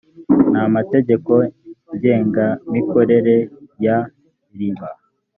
n amategeko ngengamikorere ya rib